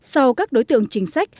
sau các đối tượng trình sách